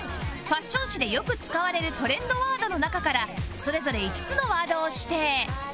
ファッション誌でよく使われるトレンドワードの中からそれぞれ５つのワードを指定